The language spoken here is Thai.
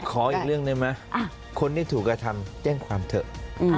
ขออีกเรื่องได้ไหมคนที่ถูกกระทำแจ้งความเถอะ